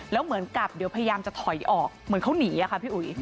แล้วเหมือนกับเดี๋ยวพยายามจะถอยออกเหมือนเขาหนีอะค่ะพี่อุ๋ย